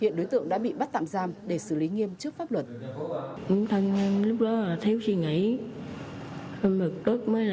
hiện đối tượng đã bị bắt tạm giam để xử lý nghiêm trước pháp luật